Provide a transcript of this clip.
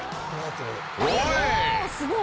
おすごい！